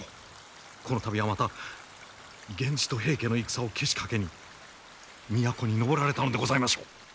この度はまた源氏と平家の戦をけしかけに都に上られたのでございましょう！